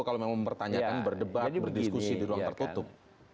kalau memang mempertanyakan berdebat berdiskusi di ruang tertutup